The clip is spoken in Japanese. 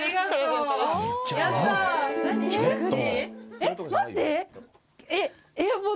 えっ⁉待って！